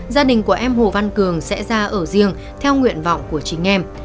gia đình của em hồ văn cường sẽ ra ở riêng theo nguyện vọng của chính em